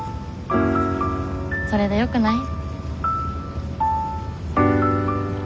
それでよくない？